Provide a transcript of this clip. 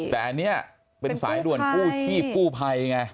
แต่อันนี้เป็นสายด่วนกู้ชีพกู้ภัยไง